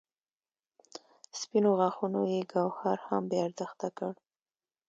سپینو غاښونو یې ګوهر هم بې ارزښته کړ.